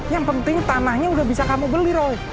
yang penting tanahnya udah bisa kamu beli roy